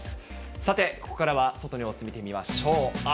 さて、ここからは外の様子見てみましょう。